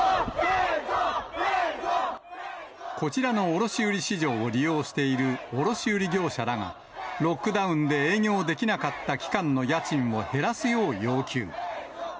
こちらの卸売市場を利用している卸売業者らが、ロックダウンで営業できなかった期間の家賃を減らすよう要求。